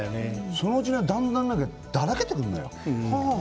そのうちねだんだんだらけてくるのよ。